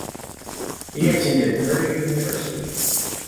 He attended Purdue University.